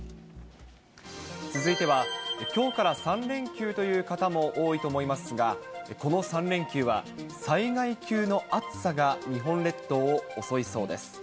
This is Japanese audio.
続いては、きょうから３連休という方も多いと思いますが、この３連休は災害級の暑さが日本列島を襲いそうです。